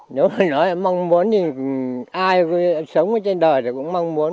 nếu mà nói mong muốn thì ai có sống trên đời thì cũng mong muốn